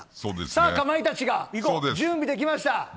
さあ、かまいたちが準備できました。